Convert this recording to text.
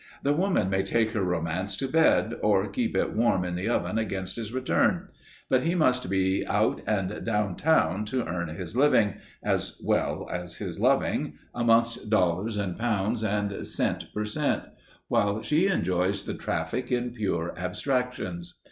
The woman may take her romance to bed, or keep it warm in the oven against his return, but he must be out and down town to earn his living as well as his loving, amongst dollars and pounds and cent per cent, while she enjoys the traffic in pure abstractions.